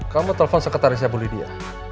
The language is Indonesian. kamu telfon sekretarisnya bu lydia